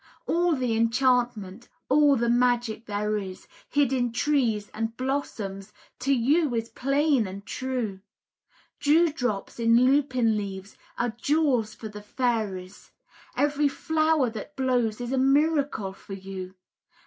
All the enchantment, all the magic there is Hid in trees and blossoms, to you is plain and true. Dewdrops in lupin leaves are jewels for the fairies; Every flower that blows is a miracle for you.